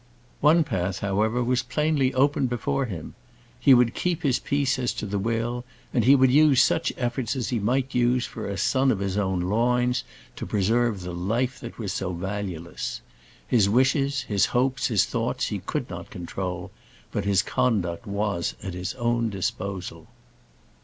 One path, however, was plainly open before him. He would keep his peace as to the will; and would use such efforts as he might use for a son of his own loins to preserve the life that was so valueless. His wishes, his hopes, his thoughts, he could not control; but his conduct was at his own disposal.